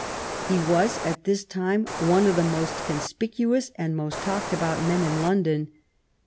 ^^ He was at this time one of the most con spicuous and most talked about men in Londoh.